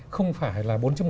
chúng ta vẫn quản trị xã hội